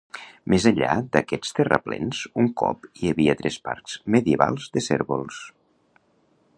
Més enllà d'aquests terraplens, un cop hi havia tres parcs medievals de cérvols.